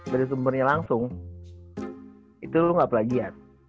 dari sumbernya langsung itu lo gak pelagiat